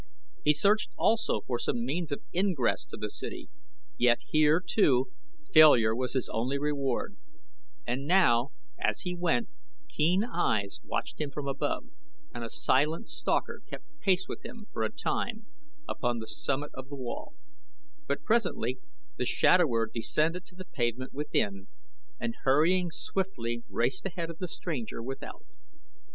He searched also for some means of ingress to the city, yet here, too, failure was his only reward, and now as he went keen eyes watched him from above and a silent stalker kept pace with him for a time upon the summit of the wall; but presently the shadower descended to the pavement within and hurrying swiftly raced ahead of the stranger without.